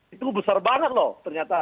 itu besar banget loh ternyata